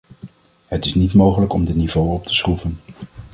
Het is niet mogelijk om dit niveau op te schroeven.